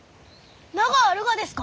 名があるがですか！？